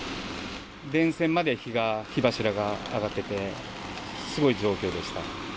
電線まで火柱が上がってて、すごい状況でした。